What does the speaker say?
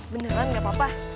beneran gak apa apa